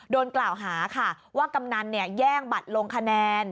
โดนกล่าวหาค่ะว่ากำนันแย่งบัตรลงคะแนน